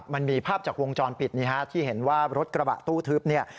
มันมีภาพจากวงจรปิดนี่ฮะที่เห็นว่ารถกระบะตู้ทึบเนี่ย